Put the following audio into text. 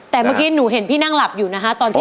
แต่เมื่อกี้หนูเห็นพี่นั่งหลับอยู่นะคะตอนที่